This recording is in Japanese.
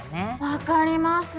分かります。